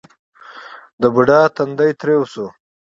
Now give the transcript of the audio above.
د بوډا تندی ترېو شو: